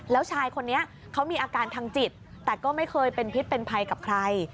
แล้วชายคนนี้เขามีอาการทางจิตแต่ก็ไม่เคยเป็นพิษเป็นภัยกับใคร